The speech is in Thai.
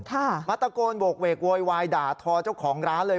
มาตะโกนโหกเวกโวยวายด่าทอเจ้าของร้านเลย